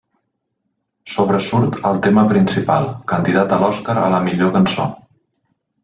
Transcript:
Sobresurt el tema principal, candidat a l'Oscar a la millor cançó.